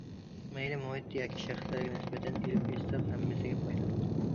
مەيلى مۇھىت ياكى شەخسلەرگە نىسبەتەن ئېلىپ ئېيتساق ھەممىسىگە پايدىلىق.